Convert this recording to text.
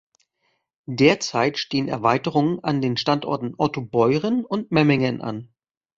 Derzeit stehen Erweiterungen an den Standorten Ottobeuren und Memmingen an.